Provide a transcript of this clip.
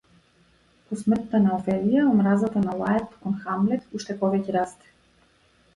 По смртта на Офелија омразата на Лаерт кон Хамлет уште повеќе расте.